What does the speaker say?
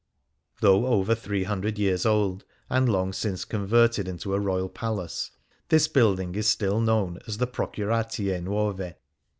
Though over three hundred years old, and long since converted into a Royal palace, this building is still known as the Procuratie Nuove.